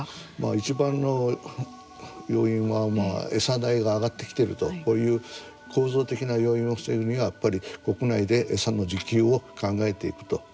いちばんの要因はエサ代が上がってきてるという構造的な要因を防ぐにはやっぱり国内でエサの自給を考えていくと。